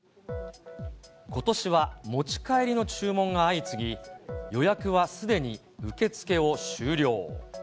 ことしは持ち帰りの注文が相次ぎ、予約はすでに受け付けを終了。